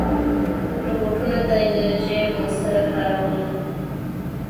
روبوټونه د انرژۍ مؤثره کارونه کوي.